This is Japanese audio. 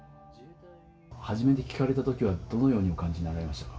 初めて聞かれたときはどのようにお感じになりましたか。